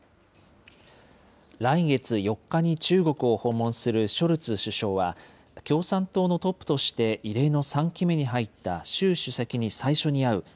来月４日に中国を訪問するショルツ首相は、共産党のトップとして異例の３期目に入った習主席に最初に会うＧ７